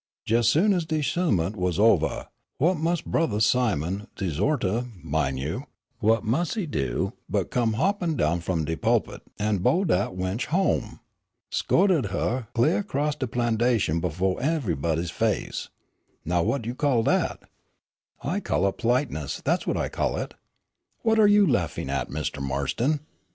Jes' ez soon ez de sehmont was ovah, whut mus' Brothah Simon, de 'zortah, min' you, whut mus' he do but come hoppin' down f'om de pu'pit, an' beau dat wench home! 'Scorted huh clah 'crost de plantation befo' evahbody's face. Now whut you call dat?" "I call it politeness, that is what I call it. What are you laughing at, Mr. Marston?